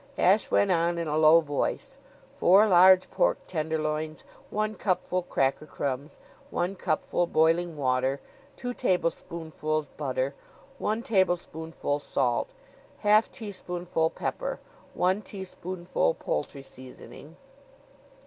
Ashe went on in a low voice: "'four large pork tenderloins, one cupful cracker crumbs, one cupful boiling water, two tablespoonfuls butter, one teaspoonful salt, half teaspoonful pepper, one teaspoonful poultry seasoning.'"